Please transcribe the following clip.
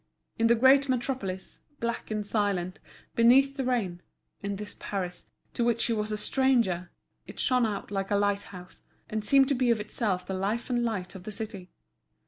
In the great metropolis, black and silent, beneath the rain—in this Paris, to which she was a stranger, it shone out like a lighthouse, and seemed to be of itself the life and light of the city.